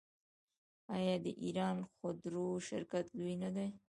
آیا د ایران خودرو شرکت لوی نه دی؟